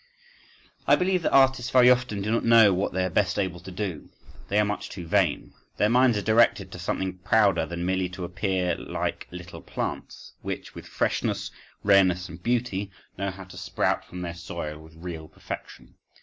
I believe that artists very often do not know what they are best able to do. They are much too vain. Their minds are directed to something prouder than merely to appear like little plants, which, with freshness, rareness, and beauty, know how to sprout from their soil with real perfection.